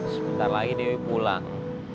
sebentar lagi dewi pulang